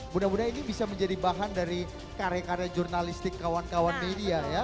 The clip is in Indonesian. mudah mudahan ini bisa menjadi bahan dari karya karya jurnalistik kawan kawan media ya